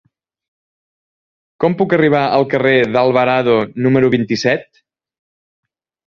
Com puc arribar al carrer d'Alvarado número vint-i-set?